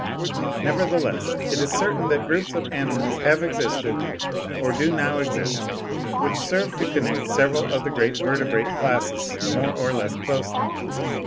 Nevertheless, it is certain that groups of animals have existed, or do now exist, which serve to connect several of the great vertebrate classes more or less closely.